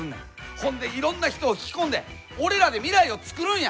ほんでいろんな人を引き込んで俺らで未来を作るんや！